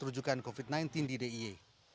rujukan covid sembilan belas di dia